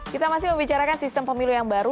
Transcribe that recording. kita masih membicarakan sistem pemilu yang baru